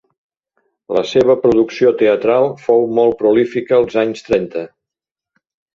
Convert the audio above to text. La seva producció teatral fou molt prolífica als anys trenta.